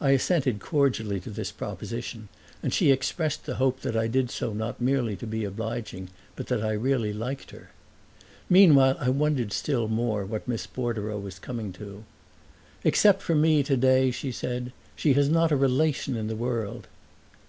I assented cordially to this proposition, and she expressed the hope that I did so not merely to be obliging, but that I really liked her. Meanwhile I wondered still more what Miss Bordereau was coming to. "Except for me, today," she said, "she has not a relation in the world."